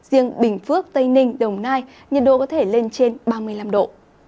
riêng bình phước tây ninh đồng nai nhiệt độ có thể lên trên ba mươi năm độ